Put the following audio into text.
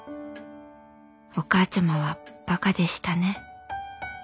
お母ちゃまはバカでしたね。